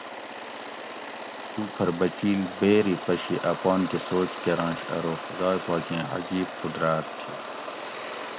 تُو پٞھر بچیل بیری پشی اپان کٞہ سوچ کٞرنش ارو خُدائ پاکیں عجیب قُدراٞت تھی